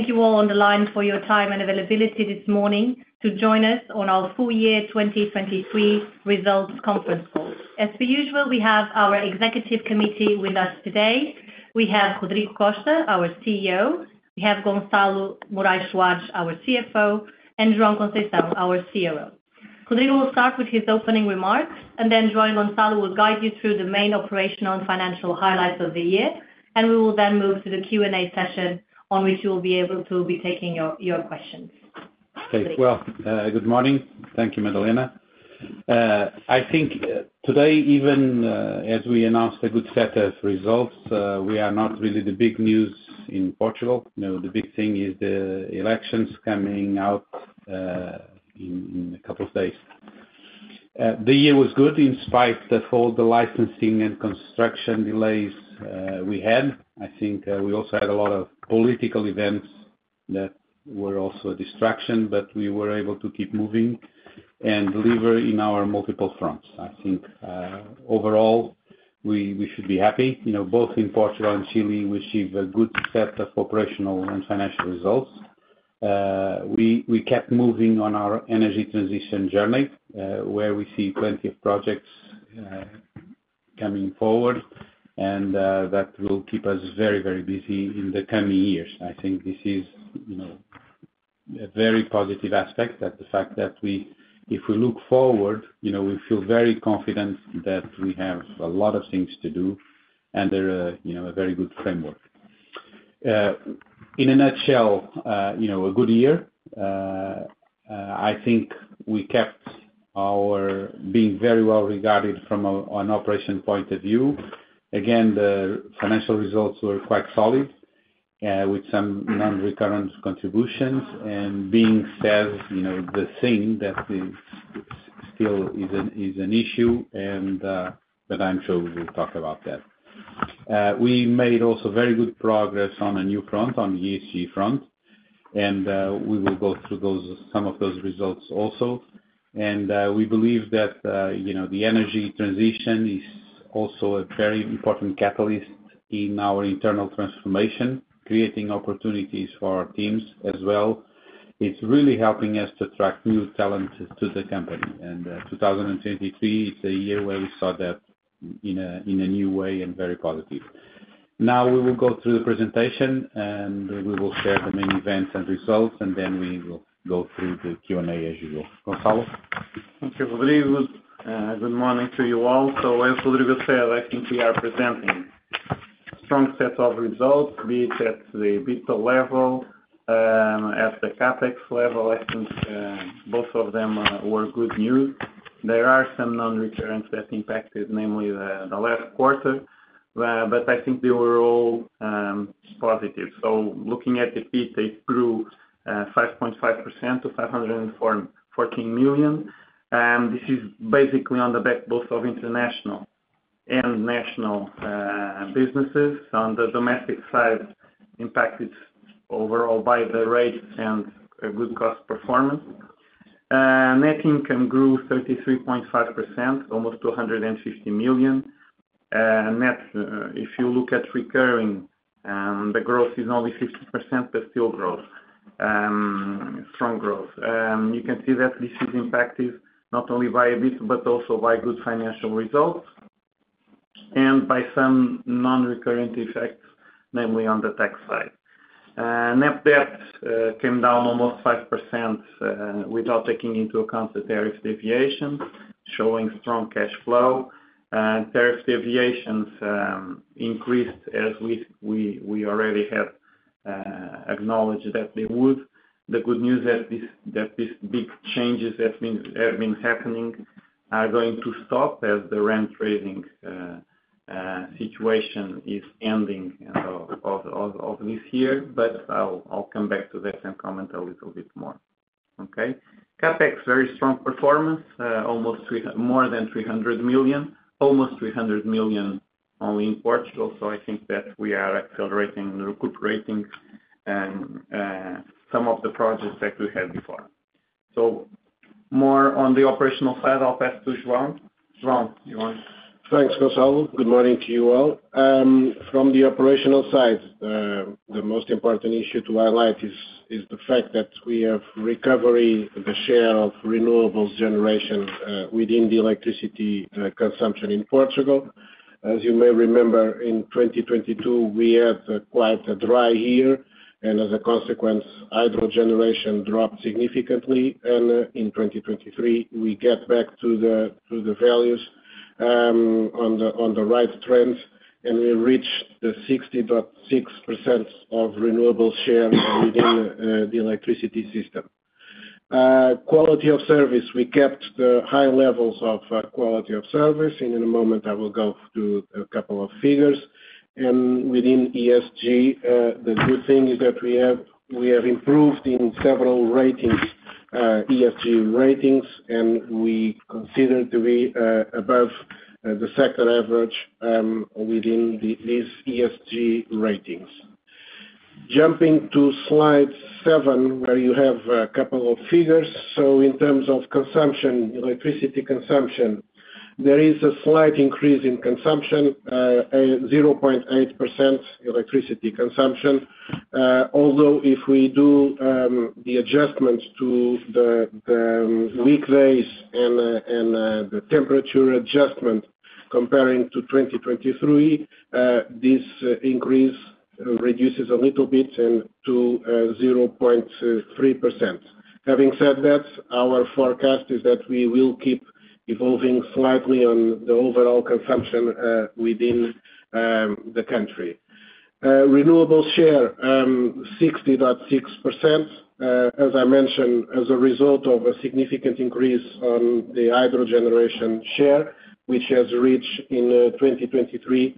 Thank you all on the line for your time and availability this morning to join us on our full year 2023 results conference call. As per usual, we have our executive committee with us today. We have Rodrigo Costa, our CEO, we have Gonçalo Morais Soares, our CFO, and João Conceição, our COO. Rodrigo will start with his opening remarks, and then João and Gonçalo will guide you through the main operational and financial highlights of the year, and we will then move to the Q&A session, on which you will be able to be taking your, your questions. Okay. Well, good morning. Thank you, Madalena. I think today, even as we announced a good set of results, we are not really the big news in Portugal. You know, the big thing is the elections coming out in a couple of days. The year was good in spite of all the licensing and construction delays we had. I think we also had a lot of political events that were also a distraction, but we were able to keep moving and deliver in our multiple fronts. I think overall, we should be happy. You know, both in Portugal and Chile, we achieved a good set of operational and financial results. We kept moving on our energy transition journey, where we see plenty of projects coming forward, and that will keep us very, very busy in the coming years. I think this is, you know, a very positive aspect, that the fact that we—if we look forward, you know, we feel very confident that we have a lot of things to do, and they're, you know, a very good framework. In a nutshell, you know, a good year. I think we kept on being very well regarded from an operational point of view. Again, the financial results were quite solid, with some non-recurrent contributions, and that being said, you know, the thing that is still an issue, but I'm sure we will talk about that. We made also very good progress on a new front, on the ESG front, and we will go through those, some of those results also. We believe that, you know, the energy transition is also a very important catalyst in our internal transformation, creating opportunities for our teams as well. It's really helping us to attract new talents to the company, and 2023 is a year where we saw that in a new way and very positive. Now, we will go through the presentation, and we will share the main events and results, and then we will go through the Q&A as usual. Gonçalo? Thank you, Rodrigo. Good morning to you all. So as Rodrigo said, I think we are presenting strong set of results, be it at the EBITDA level, at the CapEx level. I think, both of them, were good news. There are some non-recurrent that impacted, namely the last quarter, but I think they were all, positive. So looking at the EBITDA, it grew, 5.5% to 514 million. And this is basically on the back both of international and national, businesses. On the domestic side, impacted overall by the rates and a good cost performance. Net income grew 33.5%, almost to 150 million. Net, if you look at recurring, the growth is only 15%, but still growth, strong growth. You can see that this is impacted not only by EBITDA, but also by good financial results and by some non-recurrent effects, namely on the tax side. Net debt came down almost 5%, without taking into account the tariff deviations, showing strong cash flow. Tariff deviations increased as we already have acknowledged that they would. The good news that these big changes have been happening are going to stop as the rate-raising situation is ending of this year, but I'll come back to that and comment a little bit more. Okay? CapEx, very strong performance, more than 300 million, almost 300 million only in Portugal. So I think that we are accelerating and recuperating some of the projects that we had before. More on the operational side, I'll pass to João. João, you want? Thanks, Gonçalo. Good morning to you all. From the operational side, the most important issue to highlight is the fact that we have recovery the share of renewables generation, within the electricity, consumption in Portugal. As you may remember, in 2022, we had quite a dry year, and as a consequence, hydro generation dropped significantly. In 2023, we get back to the, to the values, on the right trend, and we reached the 60.6% of renewable share within, the electricity system. Quality of service. We kept the high levels of, quality of service, and in a moment, I will go through a couple of figures. Within ESG, the good thing is that we have, we have improved in several ratings, ESG ratings, and we consider to be above the sector average within these ESG ratings. Jumping to slide seven, where you have a couple of figures. So in terms of consumption, electricity consumption, there is a slight increase in consumption, a 0.8% electricity consumption. Although if we do the adjustments to the weekdays and the temperature adjustment comparing to 2023, this increase reduces a little bit and to 0.3%. Having said that, our forecast is that we will keep evolving slightly on the overall consumption within the country. Renewable share, 60.6%, as I mentioned, as a result of a significant increase on the hydro generation share, which has reached in 2023,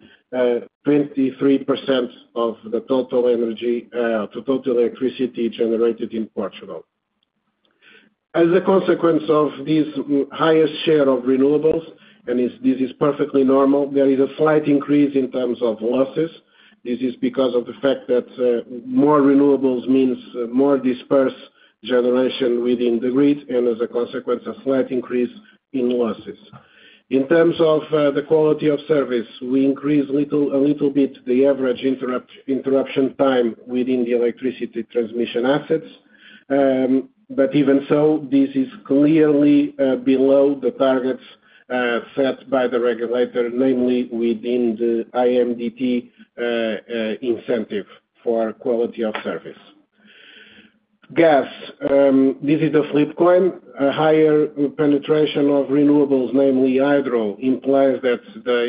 23% of the total energy, the total electricity generated in Portugal. As a consequence of this highest share of renewables, and this is perfectly normal, there is a slight increase in terms of losses. This is because of the fact that more renewables means more dispersed generation within the grid, and as a consequence, a slight increase in losses. In terms of the quality of service, we increase a little bit the average interruption time within the electricity transmission assets. But even so, this is clearly below the targets set by the regulator, namely within the IMDT incentive for quality of service. Gas, this is the flip coin. A higher penetration of renewables, namely hydro, implies that the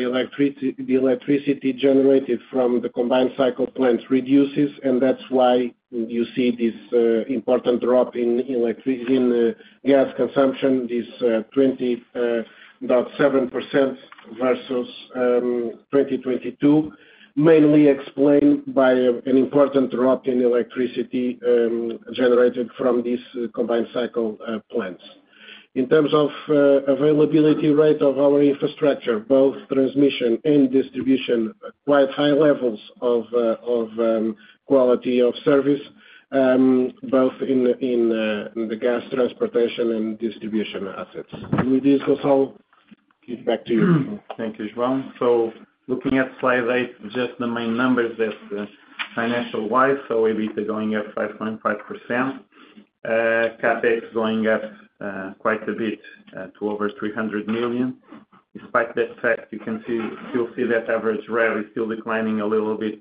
electricity generated from the combined cycle plants reduces, and that's why you see this important drop in gas consumption, this about 7% versus 2022. Mainly explained by an important drop in electricity generated from these combined cycle plants. In terms of availability rate of our infrastructure, both transmission and distribution, quite high levels of quality of service both in the gas transportation and distribution assets. With this, also, get back to you. Thank you, João. So looking at slide eight, just the main numbers that, financial-wise, so EBITDA going up 5.5%. CapEx going up quite a bit, to over 300 million. Despite that fact, you can see, still see that average rate is still declining a little bit,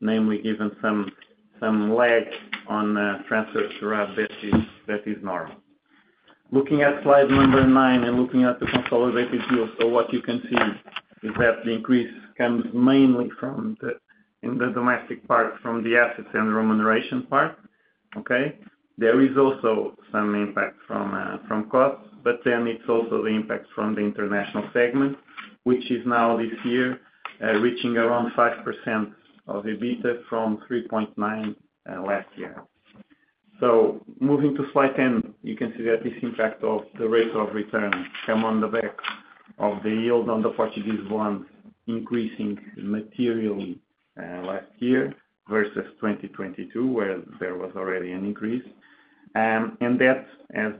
namely, given some lag on transfers to RAB that is normal. Looking at slide number nine and looking at the consolidated view. So what you can see is that the increase comes mainly from the, in the domestic part, from the assets and remuneration part. Okay? There is also some impact from costs, but then it's also the impact from the international segment, which is now this year, reaching around 5% of EBITDA from 3.9 last year. So moving to slide 10, you can see that this impact of the rate of return came on the back of the yield on the Portuguese bonds, increasing materially, last year versus 2022, where there was already an increase. And that has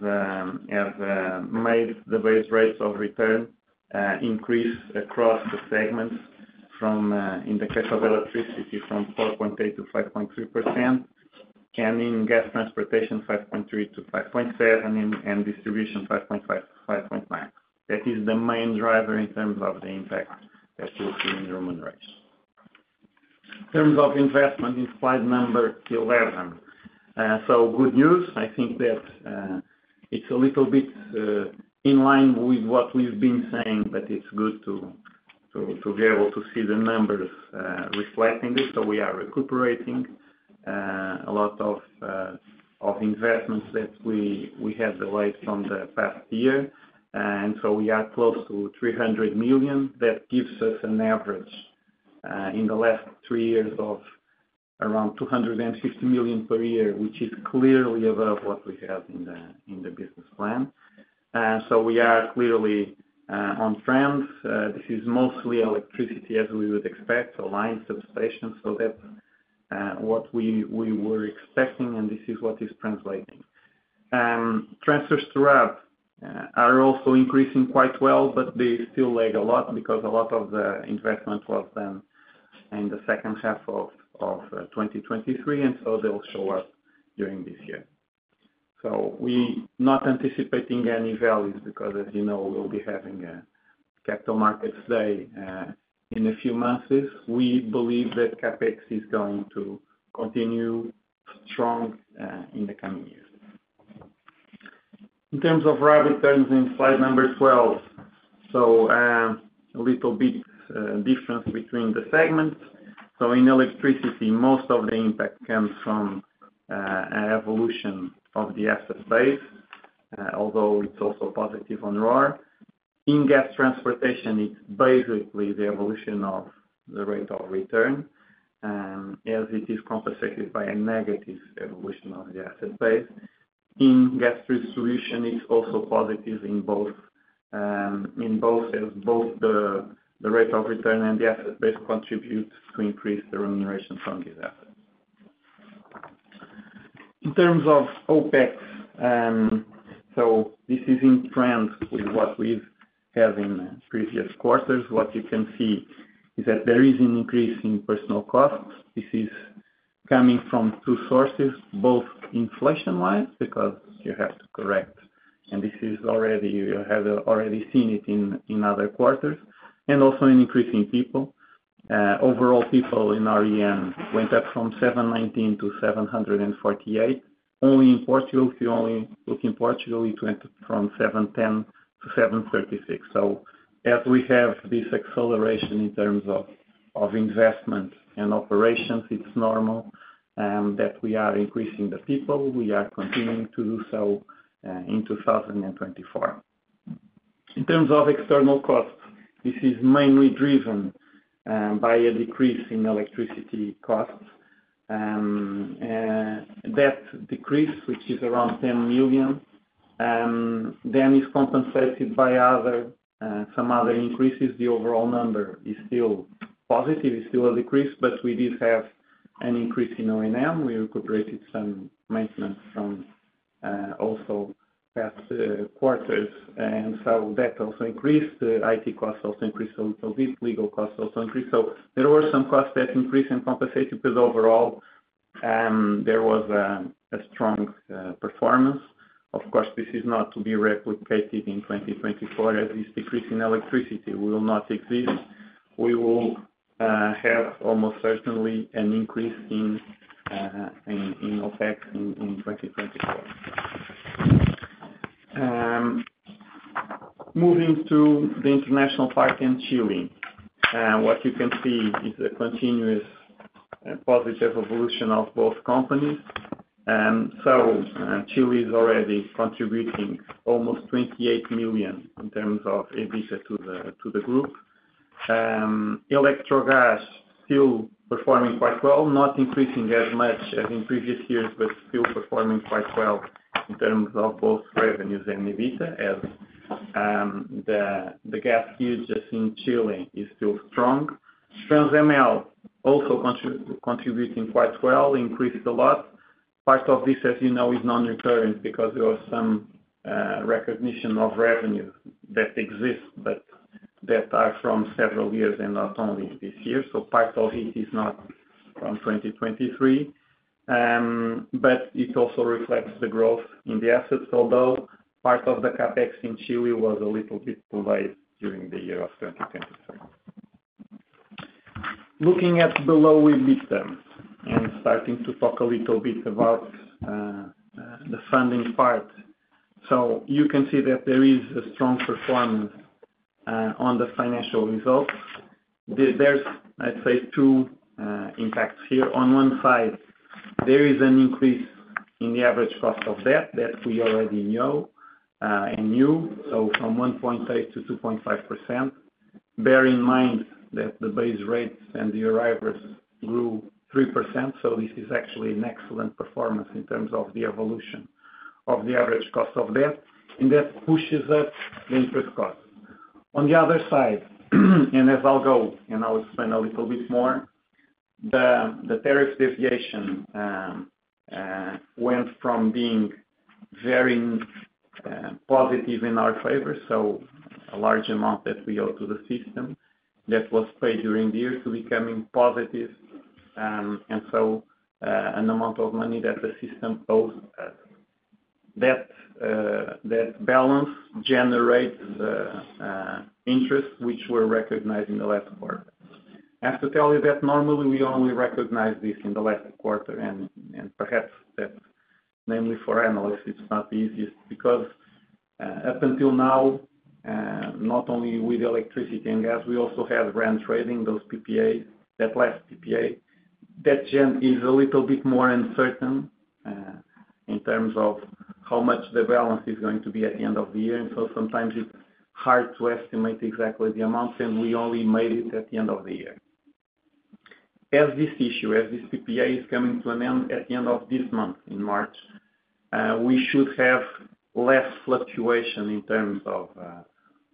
made the various rates of return increase across the segments from, in the case of electricity, from 4.8%-5.3%, and in gas transportation, 5.3%-5.7%, and distribution, 5.5%-5.9%. That is the main driver in terms of the impact that you'll see in the remuneration. In terms of investment in slide number 11. So good news, I think that it's a little bit in line with what we've been saying, but it's good to be able to see the numbers reflecting this. So we are recuperating a lot of investments that we had delayed from the past year. So we are close to 300 million. That gives us an average in the last three years of around 250 million per year, which is clearly above what we have in the business plan. So we are clearly on trend. This is mostly electricity, as we would expect, a lines and substations. So that what we were expecting, and this is what is translating. Transfers throughout are also increasing quite well, but they still lag a lot because a lot of the investment was done in the second half of 2023, and so they will show up during this year. So we not anticipating any values, because, as you know, we'll be having a capital markets day in a few months. We believe that CapEx is going to continue strong in the coming years. In terms of returns in slide number 12. So, a little bit difference between the segments. So in electricity, most of the impact comes from an evolution of the asset base, although it's also positive on RoR. In gas transportation, it's basically the evolution of the rate of return, as it is compensated by a negative evolution of the asset base. In gas distribution, it's also positive in both, as both the rate of return and the asset base contributes to increase the remuneration from this asset. In terms of OpEx, so this is in trend with what we've had in previous quarters. What you can see is that there is an increase in personal costs. This is coming from two sources, both inflation-wise, because you have to correct, and this is already you have already seen it in other quarters, and also in increasing people. Overall people in REN went up from 719 to 748. Only in Portugal, if you only look in Portugal, it went from 710 to 736. So as we have this acceleration in terms of investment and operations, it's normal that we are increasing the people. We are continuing to do so in 2024. In terms of external costs, this is mainly driven by a decrease in electricity costs. That decrease, which is around 10 million, then is compensated by other some other increases. The overall number is still positive, it's still a decrease, but we did have an increase in O&M. We incorporated some maintenance from also past quarters, and so that also increased. The IT costs also increased a little bit, legal costs also increased. So there were some costs that increased and compensated, but overall there was a strong performance. Of course, this is not to be replicated in 2024, as this decrease in electricity will not exist. We will have almost certainly an increase in OpEx in 2024. Moving to the international part in Chile, what you can see is a continuous positive evolution of both companies. So Chile is already contributing almost 28 million in terms of EBITDA to the group. Electrogás still performing quite well, not increasing as much as in previous years, but still performing quite well in terms of both revenues and EBITDA, as the gas usage in Chile is still strong. Transemel also contributing quite well, increased a lot. Part of this, as you know, is non-recurrent because there was some recognition of revenue that exists, but that are from several years and not only this year. So part of it is not from 2023, but it also reflects the growth in the assets. Although, part of the CapEx in Chile was a little bit delayed during the year of 2023. Looking at below EBITDA and starting to talk a little bit about the funding part. So you can see that there is a strong performance on the financial results. There, there's, I'd say, two impacts here. On one side, there is an increase in the average cost of debt that we already know, and you, so from 1.8%-2.5%. Bear in mind that the base rates and the arrivals grew 3%, so this is actually an excellent performance in terms of the evolution of the average cost of debt, and that pushes up the interest costs. On the other side, and as I'll go, and I'll explain a little bit more, the tariff deviation went from being very positive in our favor, so a large amount that we owe to the system that was paid during the year to becoming positive, and so an amount of money that the system owes us. That balance generates interest, which we're recognizing the last quarter. I have to tell you that normally we only recognize this in the last quarter, and perhaps that's mainly for analysts, it's not the easiest. Because, up until now, not only with electricity and gas, we also have REN Trading, those PPA, that last PPA. That gain is a little bit more uncertain, in terms of how much the balance is going to be at the end of the year, and so sometimes it's hard to estimate exactly the amounts, and we only made it at the end of the year. As this issue, as this PPA is coming to an end at the end of this month, in March, we should have less fluctuation in terms of,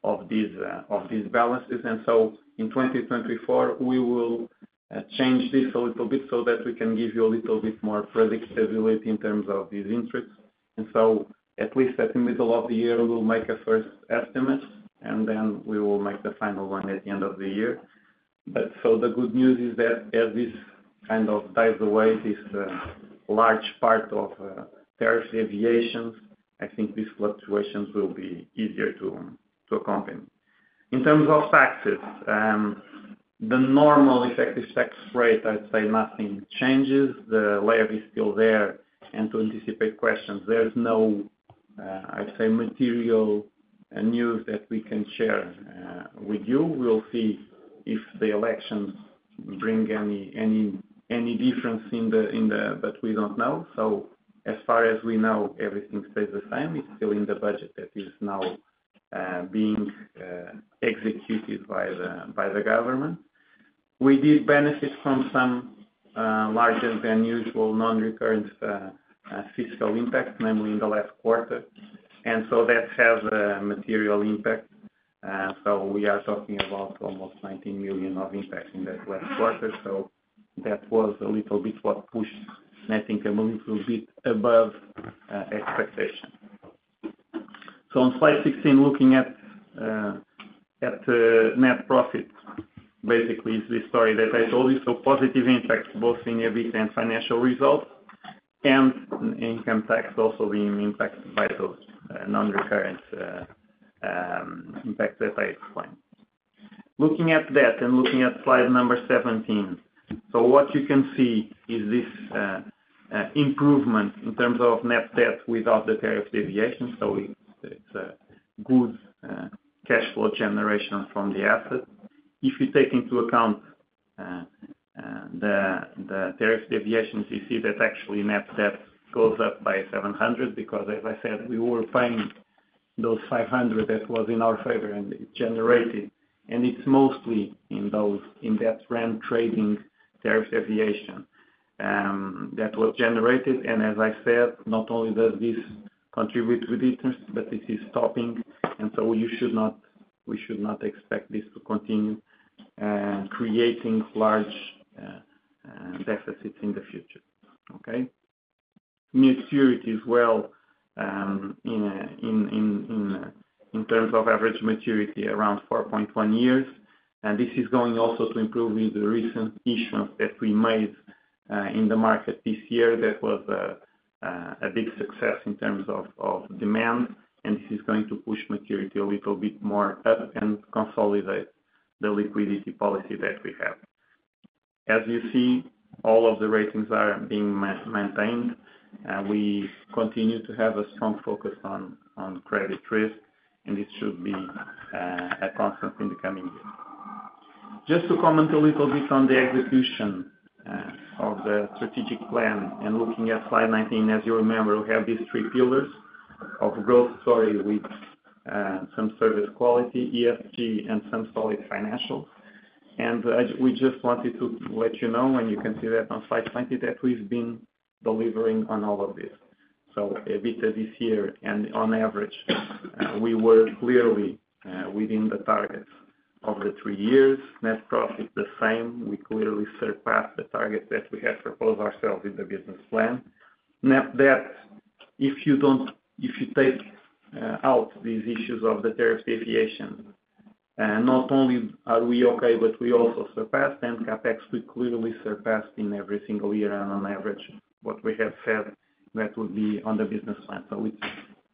of these, of these balances. And so in 2024, we will, change this a little bit so that we can give you a little bit more predictability in terms of these interests. So at least at the middle of the year, we'll make a first estimate, and then we will make the final one at the end of the year. So the good news is that as this kind of dies away, this large part of tariff deviations, I think these fluctuations will be easier to accompany. In terms of taxes, the normal effective tax rate, I'd say nothing changes. The layer is still there, and to anticipate questions, there's no, I'd say, material and news that we can share with you. We'll see if the elections bring any difference in the—but we don't know. So as far as we know, everything stays the same. It's still in the budget that is now being executed by the government. We did benefit from some-... larger than usual non-recurrent fiscal impact, mainly in the last quarter. So that has a material impact. So we are talking about almost 90 million of impact in that last quarter. So that was a little bit what pushed, I think, a little bit above expectation. So on slide 16, looking at net profit, basically is the story that I told you. So positive impact, both in EBITDA and financial results, and income tax also being impacted by those non-recurrent impact that I explained. Looking at that and looking at slide number 17, so what you can see is this improvement in terms of net debt without the tariff deviation. So it's a good cash flow generation from the asset. If you take into account the tariff deviations, you see that actually net debt goes up by 700 million, because, as I said, we were paying those 500 million that was in our favor, and it generated, and it's mostly in those in that transmission tariff deviation that was generated. And as I said, not only does this contribute with interest, but this is stopping, and so you should not, we should not expect this to continue creating large deficits in the future. Okay? Maturity as well, in terms of average maturity, around 4.1 years. And this is going also to improve with the recent issuance that we made in the market this year. That was a big success in terms of demand, and this is going to push maturity a little bit more up and consolidate the liquidity policy that we have. As you see, all of the ratings are being maintained, and we continue to have a strong focus on credit risk, and this should be a constant in the coming years. Just to comment a little bit on the execution of the strategic plan, and looking at slide 19, as you remember, we have these three pillars of growth story with some service quality, ESG, and some solid financial. And as we just wanted to let you know, and you can see that on slide 20, that we've been delivering on all of this. So EBITDA this year and on average, we were clearly within the targets of the three years. Net profit, the same, we clearly surpassed the target that we had proposed ourselves in the business plan. Net debt, if you take out these issues of the tariff deviation, not only are we okay, but we also surpassed and CapEx, we clearly surpassed in every single year on an average. What we have said, that would be on the business plan. So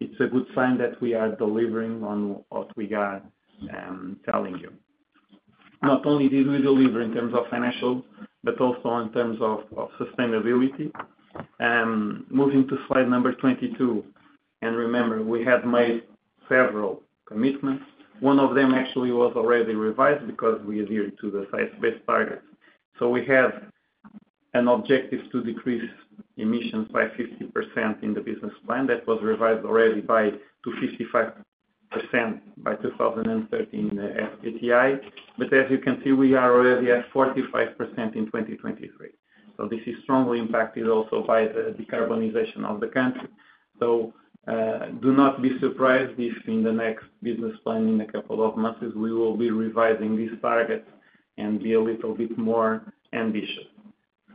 it's a good sign that we are delivering on what we are telling you. Not only did we deliver in terms of financial, but also in terms of sustainability. Moving to slide number 22, and remember, we had made several commitments. One of them actually was already revised because we adhered to the Science-Based Targets. So we have an objective to decrease emissions by 50% in the business plan. That was revised already up to 55% by 2013, SBTi. But as you can see, we are already at 45% in 2023. So this is strongly impacted also by the decarbonization of the country. So, do not be surprised if in the next business plan, in a couple of months, we will be revising these targets and be a little bit more ambitious.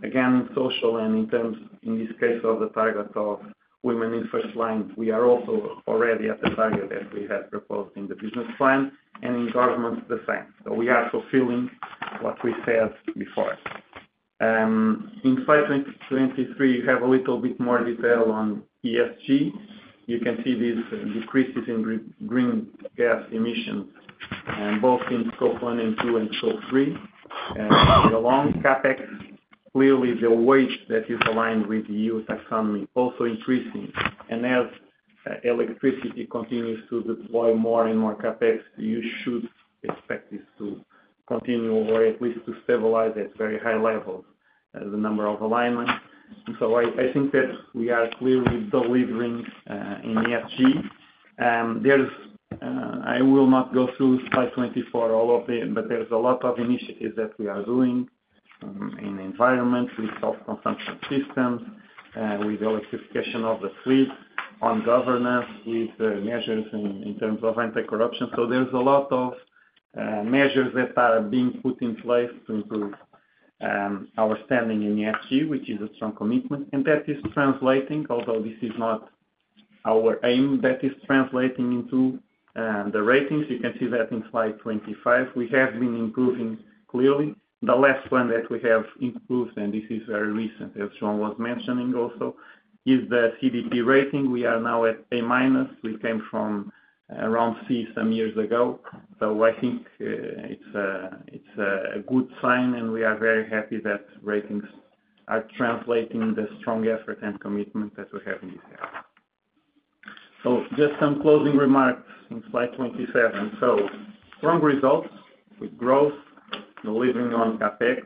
Again, social and in terms, in this case, of the target of women in first line, we are also already at the target that we had proposed in the business plan, and in governance, the same. So we are fulfilling what we said before. In slide 23, you have a little bit more detail on ESG. You can see these decreases in greenhouse gas emissions, both in Scope 1 and 2 and Scope 3. And along CapEx, clearly the weight that is aligned with EU Taxonomy also increasing. And as electricity continues to deploy more and more CapEx, you should expect this to continue or at least to stabilize at very high levels, the number of alignment. So I think that we are clearly delivering in ESG. There's a lot of initiatives that we are doing in environment with self-consumption systems, with electrification of the fleet, on governance, with measures in terms of anti-corruption. So there's a lot of measures that are being put in place to improve our standing in ESG, which is a strong commitment, and that is translating, although this is not our aim, that is translating into the ratings. You can see that in slide 25. We have been improving, clearly. The last one that we have improved, and this is very recent, as João was mentioning also, is the CDP rating. We are now at A minus. We came from around C some years ago. So I think, it's a good sign, and we are very happy that ratings are translating the strong effort and commitment that we have in this area. So just some closing remarks in slide 27. So strong results with growth, delivering on CapEx.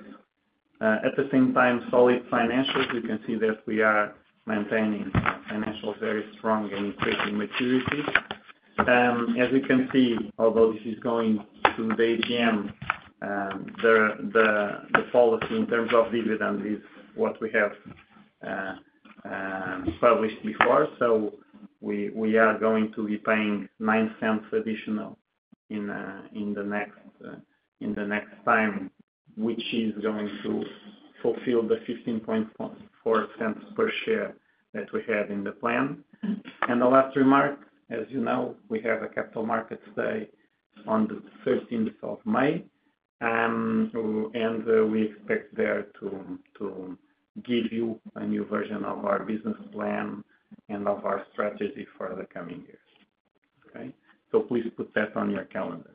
At the same time, solid financials, you can see that we are maintaining financials very strong and increasing maturity.... As you can see, although this is going to the AGM, the policy in terms of dividend is what we have published before. We are going to be paying 0.09 additional in the next time, which is going to fulfill the 0.154 per share that we had in the plan. And the last remark, as you know, we have a capital markets day on the thirteenth of May. We expect there to give you a new version of our business plan and of our strategy for the coming years. Okay? Please put that on your calendar.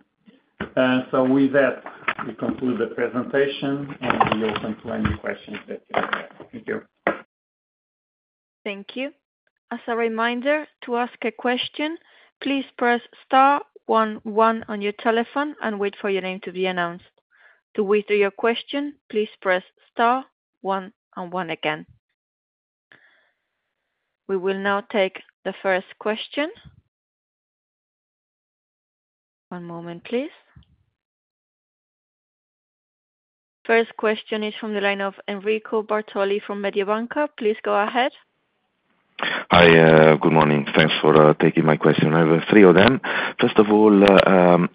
With that, we conclude the presentation, and we're open to any questions that you have. Thank you. Thank you. As a reminder, to ask a question, please press star one one on your telephone and wait for your name to be announced. To withdraw your question, please press star one and one again. We will now take the first question. One moment, please. First question is from the line of Enrico Bartoli from Mediobanca. Please go ahead. Hi, good morning. Thanks for taking my question. I have three of them. First of all,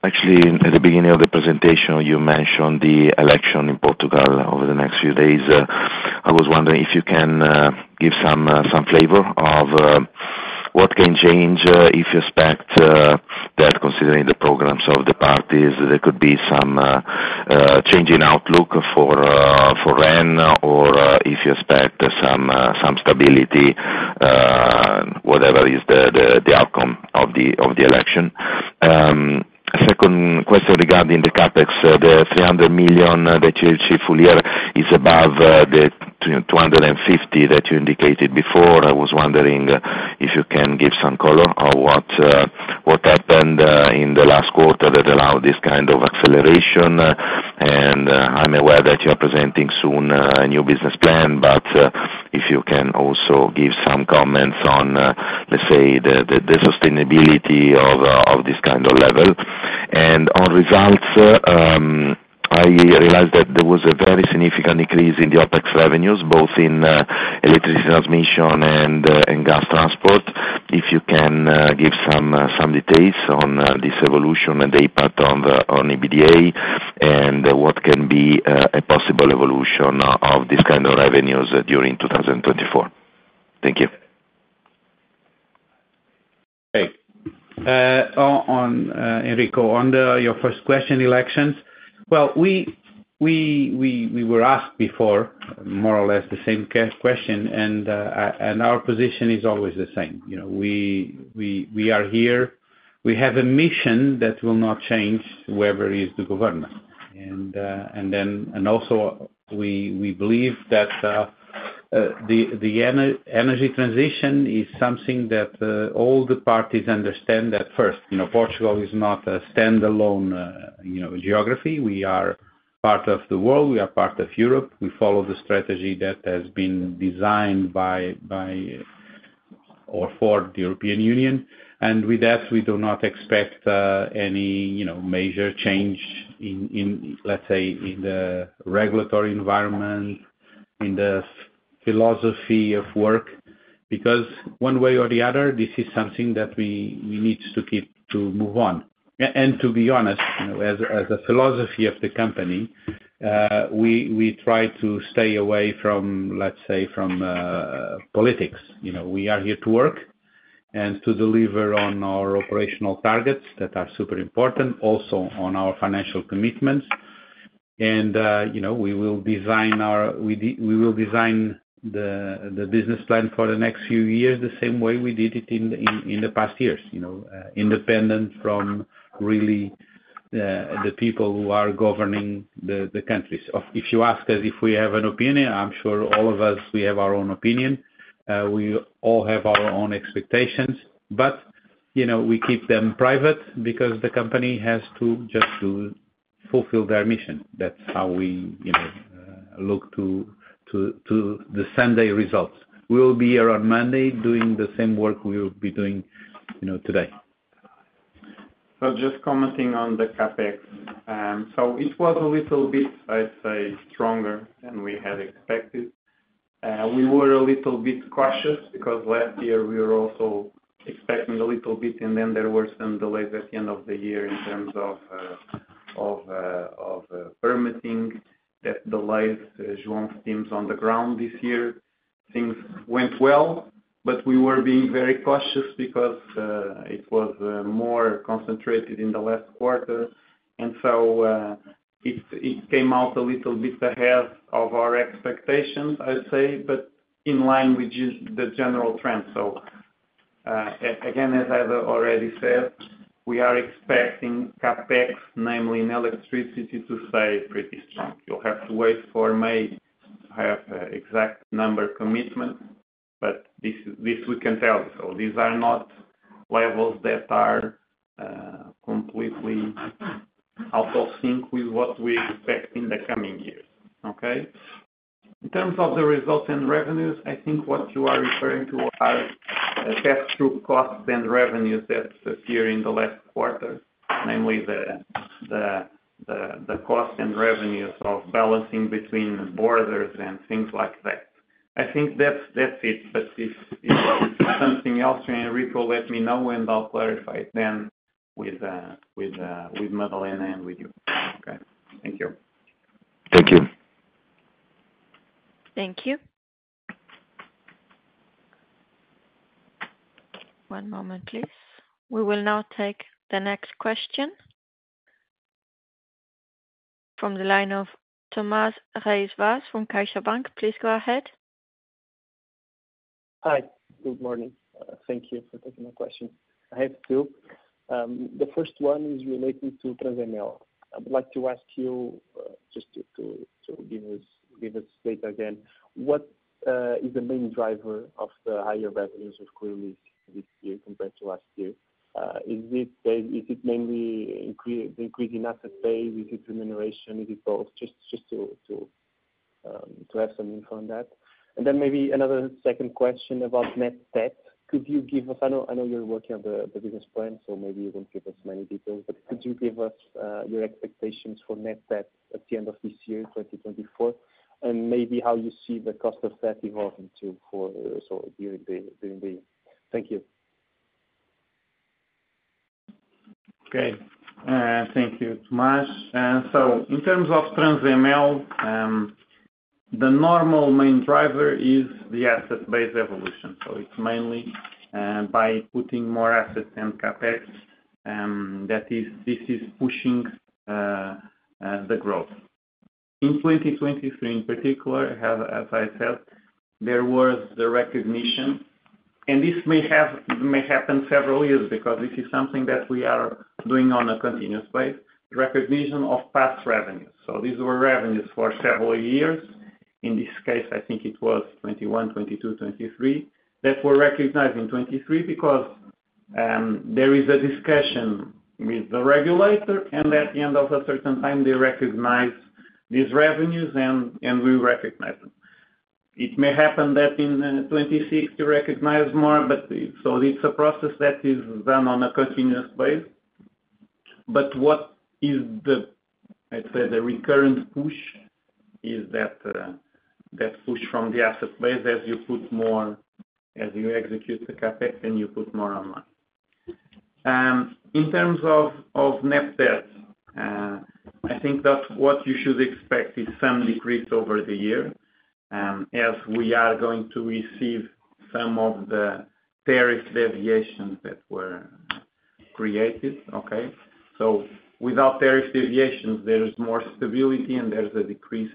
actually, at the beginning of the presentation, you mentioned the election in Portugal over the next few days. I was wondering if you can give some flavor of what can change if you expect that considering the programs of the parties, there could be some change in outlook for REN, or if you expect some stability whatever is the outcome of the election. Second question regarding the CapEx, the 300 million that you achieve full year is above the 250 million that you indicated before. I was wondering if you can give some color on what, what happened, in the last quarter that allowed this kind of acceleration. I'm aware that you're presenting soon, a new business plan, but, if you can also give some comments on, let's say, the, the, the sustainability of, of this kind of level. On results, I realized that there was a very significant increase in the OpEx revenues, both in, electricity transmission and, in gas transport. If you can, give some, some details on, this evolution and the impact on the- on EBITDA, and what can be, a possible evolution of this kind of revenues during 2024? Thank you. Great. On Enrico, on your first question, elections. Well, we were asked before more or less the same question, and our position is always the same. You know, we are here. We have a mission that will not change whoever is the government. And then, and also, we believe that the energy transition is something that all the parties understand that first. You know, Portugal is not a standalone geography. We are part of the world, we are part of Europe. We follow the strategy that has been designed by or for the European Union, and with that, we do not expect any, you know, major change in, let's say, in the regulatory environment, in the philosophy of work, because one way or the other, this is something that we need to keep to move on. And to be honest, as a philosophy of the company, we try to stay away from, let's say, from politics. You know, we are here to work and to deliver on our operational targets that are super important, also on our financial commitments. You know, we will design the business plan for the next few years the same way we did it in the past years, you know, independent from really the people who are governing the countries. If you ask us if we have an opinion, I'm sure all of us, we have our own opinion, we all have our own expectations, but, you know, we keep them private because the company has to just to fulfill their mission. That's how we, you know, look to the Sunday results. We will be here on Monday doing the same work we will be doing, you know, today. So just commenting on the CapEx. So it was a little bit, I'd say, stronger than we had expected. We were a little bit cautious because last year we were also expecting a little bit, and then there were some delays at the end of the year in terms of permitting that delayed João teams on the ground this year. Things went well, but we were being very cautious because it was more concentrated in the last quarter. And so, it came out a little bit ahead of our expectations, I'd say, but in line with just the general trend. So, again, as I've already said, we are expecting CapEx, namely in electricity, to stay pretty strong. You'll have to wait for May to have an exact number commitment, but this, this we can tell. So these are not levels that are completely out of sync with what we expect in the coming years. Okay? In terms of the results and revenues, I think what you are referring to are the pass-through costs and revenues that appear in the last quarter, namely the cost and revenues of balancing between borders and things like that. I think that's it, but if there's something else, Enrico, let me know, and I'll clarify it then with Madalena and with you. Okay, thank you. Thank you. Thank you. One moment, please. We will now take the next question from the line of Tomas Reyes Vaz from CaixaBank. Please go ahead. Hi, good morning. Thank you for taking my question. I have two. The first one is related to Transemel. I would like to ask you, just to give us data again, what is the main driver of the higher revenues of quarterly this year compared to last year? Is it mainly increasing asset base, is it remuneration, is it both? Just to have some info on that. And then maybe a second question about net debt. Could you give us... I know, I know you're working on the business plan, so maybe you won't give us many details, but could you give us your expectations for net debt at the end of this year, 2024, and maybe how you see the cost of debt evolving too, for so during the... Thank you. Okay, thank you, Tomas. So in terms of Transemel, the normal main driver is the asset-based evolution. So it's mainly by putting more assets and CapEx that is pushing the growth. In 2023, in particular, as I said, there was the recognition, and this may happen several years because this is something that we are doing on a continuous basis, recognition of past revenues. So these were revenues for several years. In this case, I think it was 2021, 2022, 2023 that were recognized in 2023 because there is a discussion with the regulator, and at the end of a certain time, they recognize these revenues, and we recognize them. It may happen that in 2026 recognize more, but so it's a process that is done on a continuous basis. But what is the, I'd say, the recurrent push is that, that push from the asset base as you put more, as you execute the CapEx, and you put more online. In terms of net debt, I think that what you should expect is some decrease over the year, as we are going to receive some of the tariff deviations that were created, okay? So without tariff deviations, there is more stability, and there's a decrease,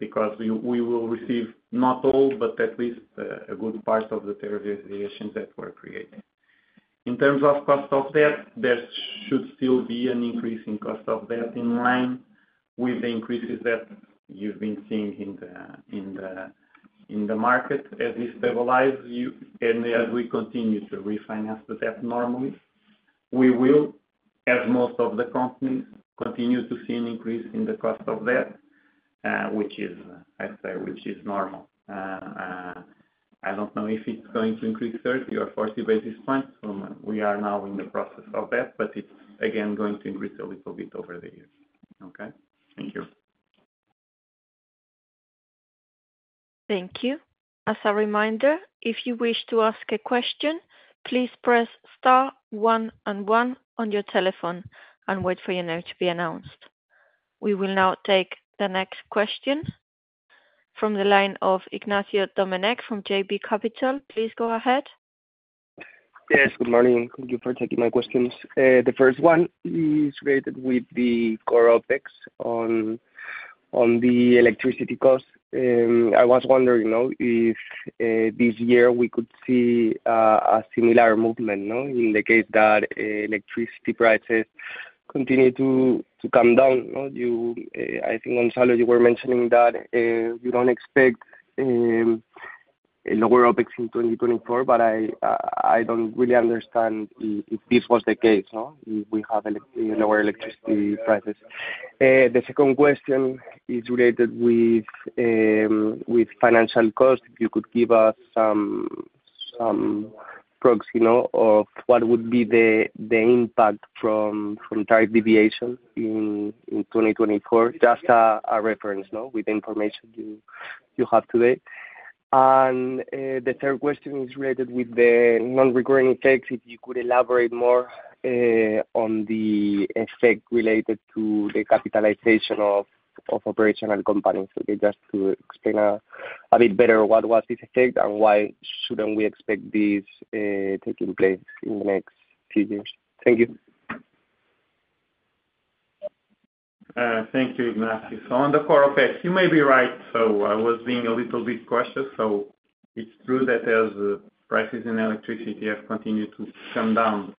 because we will receive not all, but at least, a good part of the tariff deviations that were created. In terms of cost of debt, there should still be an increase in cost of debt in line with the increases that you've been seeing in the market. As we stabilize you, and as we continue to refinance the debt normally, we will, as most of the companies, continue to see an increase in the cost of debt, which is, I'd say, which is normal. I don't know if it's going to increase 30 or 40 basis points. We are now in the process of that, but it's again, going to increase a little bit over the years. Okay? Thank you. Thank you. As a reminder, if you wish to ask a question, please press star one and one on your telephone and wait for your name to be announced. We will now take the next question from the line of Ignacio Domenech from JB Capital. Please go ahead. Yes, good morning. Thank you for taking my questions. The first one is related with the core OpEx on the electricity costs. I was wondering, though, if this year we could see a similar movement, no? In the case that electricity prices continue to come down, no, you, I think, Gonçalo, you were mentioning that you don't expect a lower OpEx in 2024, but I don't really understand if this was the case, no? If we have lower electricity prices. The second question is related with financial costs. If you could give us some proxy, you know, of what would be the impact from tariff deviation in 2024, just a reference, no, with the information you have today. The third question is related with the non-recurring effects. If you could elaborate more on the effect related to the capitalization of operational companies, okay? Just to explain a bit better, what was this effect and why shouldn't we expect this taking place in the next few years? Thank you. Thank you, Ignacio. So on the core OpEx, you may be right, so I was being a little bit cautious. So it's true that as prices in electricity have continued to come down,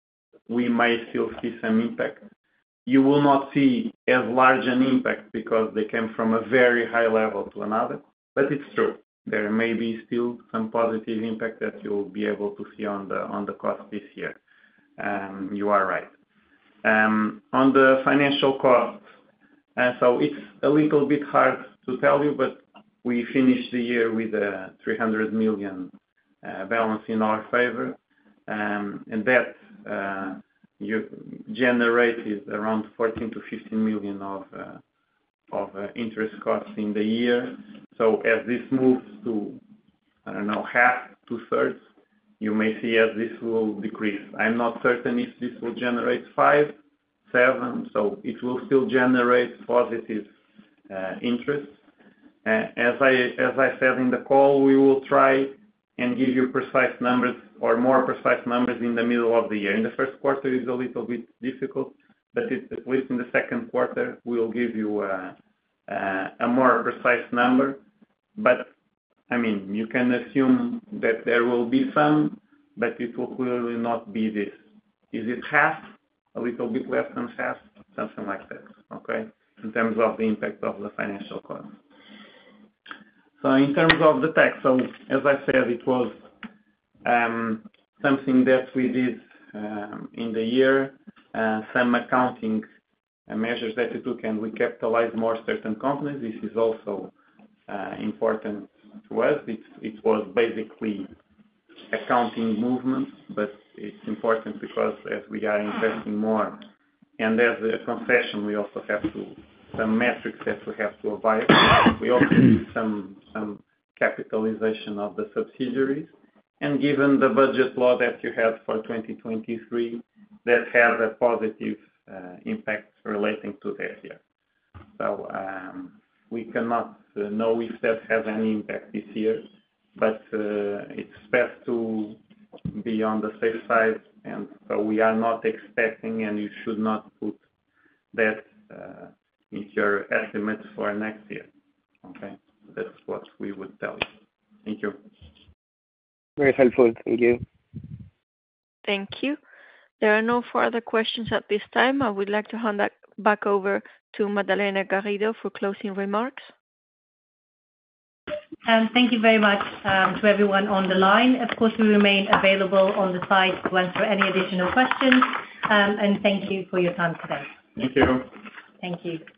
we might still see some impact. You will not see as large an impact because they came from a very high level to another. But it's true, there may be still some positive impact that you'll be able to see on the, on the cost this year. You are right. On the financial cost, and so it's a little bit hard to tell you, but we finished the year with a 300 million balance in our favor. And that you generated around 14 million-15 million of interest costs in the year. So as this moves to, I don't know, half, two-thirds, you may see as this will decrease. I'm not certain if this will generate 5, 7, so it will still generate positive interest. As I said in the call, we will try and give you precise numbers or more precise numbers in the middle of the year. In the first quarter is a little bit difficult, but it, at least in the second quarter, we will give you a more precise number. But, I mean, you can assume that there will be some, but it will clearly not be this. Is it half? A little bit less than half, something like that, okay? In terms of the impact of the financial cost. So in terms of the tax, so as I said, it was something that we did in the year, some accounting measures that we took, and we capitalized more certain companies. This is also important to us. It was basically accounting movements, but it's important because as we are investing more and as a concession, we also have to some metrics that we have to abide by. We also need some capitalization of the subsidiaries, and given the budget law that you have for 2023, that has a positive impact relating to this year. So, we cannot know if that has any impact this year, but it's best to be on the safe side, and so we are not expecting, and you should not put that in your estimates for next year, okay? That's what we would tell you. Thank you. Very helpful. Thank you. Thank you. There are no further questions at this time. I would like to hand back over to Madalena Garrido for closing remarks. Thank you very much to everyone on the line. Of course, we remain available on the side to answer any additional questions, and thank you for your time today. Thank you. Thank you.